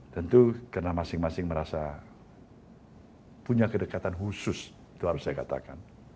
tentu karena masing masing merasa punya kedekatan khusus itu harus saya katakan